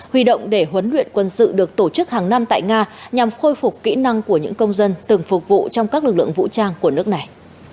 huy động để huấn luyện quân sự được tổ chức hàng năm tại nga nhằm khôi phục kỹ năng của những công dân từng phục vụ trong các lực lượng vũ trang của nước này